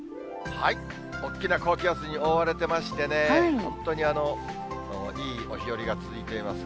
おっきな高気圧に覆われてましてね、本当にいいお日和が続いています。